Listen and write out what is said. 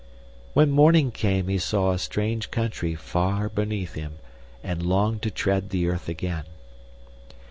When morning came he saw a strange country far beneath him, and longed to tread the earth again.